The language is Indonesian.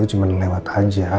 cuman lewat aja